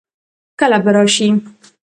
کله به راشي؟